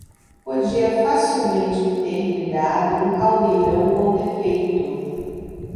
podia facilmente ter-lhe dado um caldeirão com defeito.